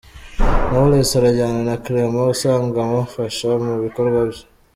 Knowless arajyana na Clement usanzwe amafasha mu bikorwa bye.